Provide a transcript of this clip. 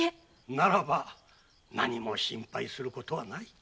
ならば何も心配することはない。